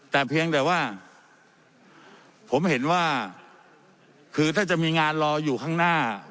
แต่เพียงแต่ว่าผมเห็นว่าคือถ้าจะมีงานรออยู่ข้างหน้า